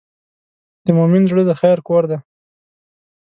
د مؤمن زړه د خیر کور دی.